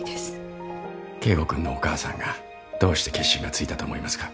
圭吾君のお母さんがどうして決心がついたと思いますか？